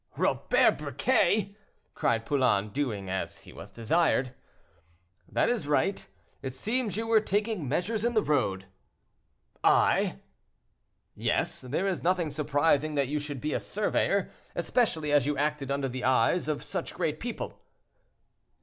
"Robert Briquet!" cried Poulain, doing as he was desired. "That is right; it seems you were taking measures in the road." "I!" "Yes; there is nothing surprising that you should be a surveyor, especially as you acted under the eyes of such great people."